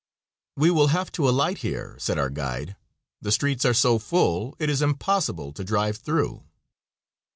"We will have to alight here," said our guide. "The streets are so full it is impossible to drive through."